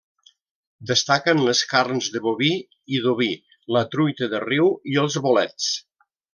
Destaquen les carns de boví i d'oví, la truita de riu i els bolets.